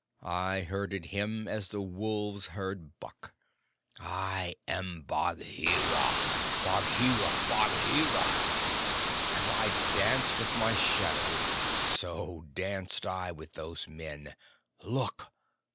I herded him as the wolves herd buck. I am Bagheera! Bagheera! Bagheera! As I dance with my shadow, so danced I with those men. Look!"